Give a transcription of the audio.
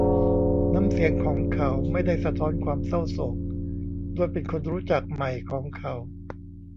น้ำเสียงของเขาไม่ได้สะท้อนความเศร้าโศก ด้วยเป็นคนรู้จักใหม่ของเขา